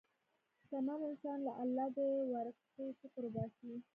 شتمن انسان د الله د ورکړې شکر وباسي.